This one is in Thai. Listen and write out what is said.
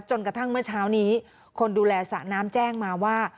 กระทั่งเมื่อเช้านี้คนดูแลสระน้ำแจ้งมาว่า